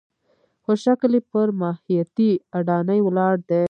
خو شکل یې پر ماهیتي اډانې ولاړ دی.